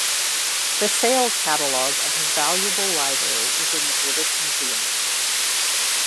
The sale catalogue of his valuable library is in the British Museum.